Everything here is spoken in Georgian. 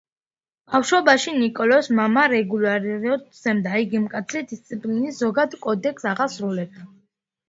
ბავშვობაში, ნიკოლოზს მამა რეგულარულად სცემა: იგი მკაცრი დისციპლინის ზოგად კოდექსს აღასრულებდა.